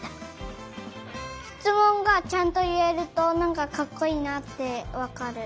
しつもんがちゃんといえるとなんかかっこいいなってわかる。